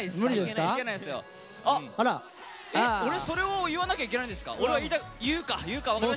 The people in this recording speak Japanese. それを言わなきゃいけないんですか？